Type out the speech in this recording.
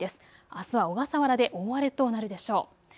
あすは小笠原で大荒れとなるでしょう。